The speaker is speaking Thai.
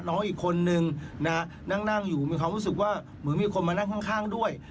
น้องอีกคนนึงนะฮะนั่งอยู่มีความรู้สึกว่าเหมือนมีคนมานั่งข้างด้วย